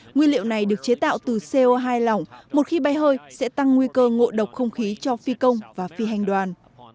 nguyên liệu này được chế tạo từ co hai lỏng một khi bay hơi sẽ tăng nguy cơ ngộ độc không khí cho phi công và phi hành đoàn